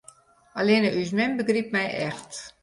Allinne ús mem begrypt my echt.